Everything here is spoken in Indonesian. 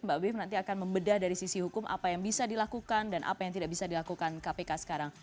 mbak biv nanti akan membedah dari sisi hukum apa yang bisa dilakukan dan apa yang tidak bisa dilakukan kpk sekarang